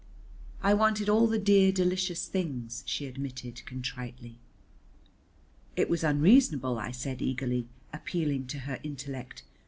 "I wanted all the dear delicious things," she admitted contritely. "It was unreasonable," I said eagerly, appealing to her intellect.